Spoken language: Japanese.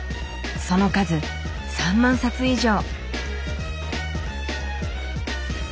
その数３万冊以上。